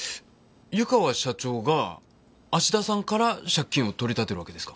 湯川社長が芦田さんから借金を取り立てるわけですか？